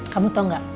kamu tau nggak